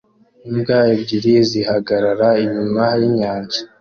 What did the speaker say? Imbwa ebyiri zihagarara inyuma yinyanja